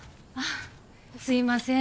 すいません